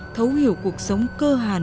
thấu hiểu cuộc sống cơ hàn